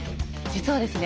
実はですね